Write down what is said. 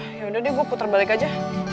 ya udah deh gue putar balik aja